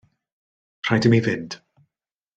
Rhaid i mi fynd.